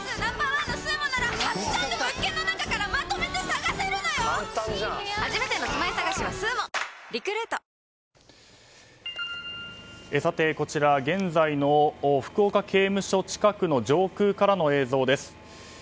サントリー「ＶＡＲＯＮ」こちらは現在の福岡刑務所近くの上空からの映像です。